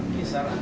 maka pasti terjadi